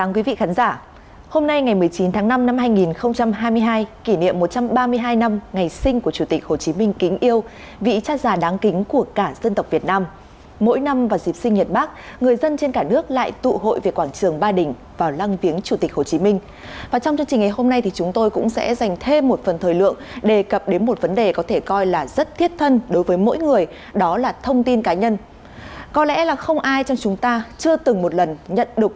chào mừng quý vị đến với bộ phim hãy nhớ like share và đăng ký kênh của chúng mình nhé